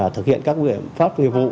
thực hiện các quyền pháp nguyên vụ